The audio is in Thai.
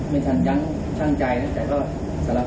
ไม่ทันยั้งชั่งใจแต่ก็สารภาพ